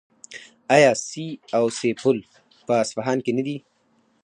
آیا سي او سه پل په اصفهان کې نه دی؟